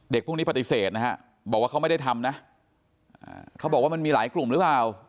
พวกนี้ปฏิเสธนะฮะบอกว่าเขาไม่ได้ทำนะเขาบอกว่ามันมีหลายกลุ่มหรือเปล่า